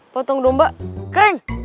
potong domba kering